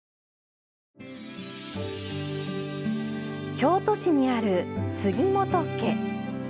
京都市にある杉本家。